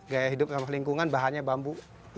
gaya hidup ramah lingkungan bahannya bambu